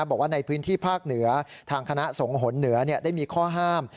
บอกว่าในพื้นที่ภาคเหนือทางคณะสงหนเหนือได้มีข้อห้าม